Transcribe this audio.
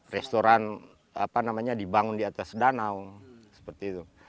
restoran dibangun di atas danau seperti itu